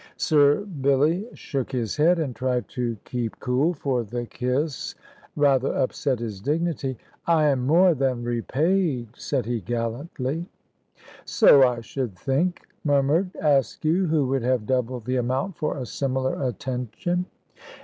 Sir Billy shook his head and tried to keep cool, for the kiss rather upset his dignity. "I am more than repaid," said he gallantly. "So I should think," murmured Askew, who would have doubled the amount for a similar attention.